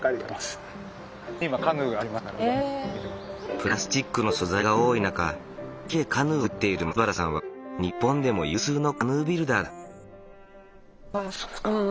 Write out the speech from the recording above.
プラスチックの素材が多い中木でカヌーを作っている松原さんは日本でも有数のカヌービルダーだ。